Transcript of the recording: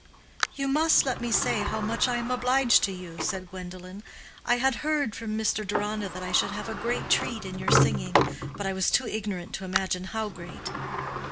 "You must let me say how much I am obliged to you," said Gwendolen. "I had heard from Mr. Deronda that I should have a great treat in your singing, but I was too ignorant to imagine how great."